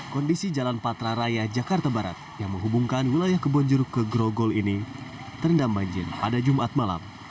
kondisi jalan patraraya jakarta barat yang menghubungkan wilayah kebon jeruk ke grogol ini terendam banjir pada jumat malam